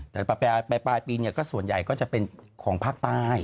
แต่ปลายปีส่วนใหญ่ก็จะเป็นของภาคใต้